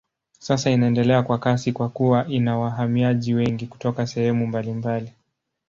Sasa inaendelea kwa kasi kwa kuwa ina wahamiaji wengi kutoka sehemu mbalimbali.